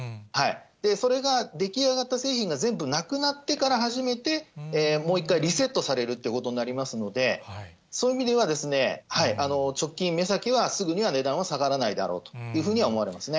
それが出来上がった製品が全部なくなってから初めて、もう一回リセットされるということになりますので、そういう意味では、直近、目先は、すぐには値段は下がらないであろうというふうには思われますね。